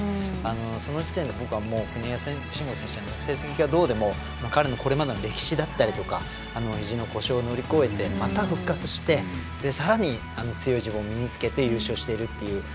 その時点で僕は国枝選手は成績がどうであれ彼のこれまでの歴史だったりひじの故障を乗り越えてまた復活してさらに強い自分を身につけて優勝しているという。